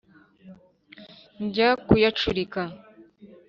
Njya kuyacurika